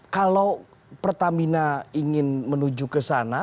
kalau pertamina ingin menuju ke sana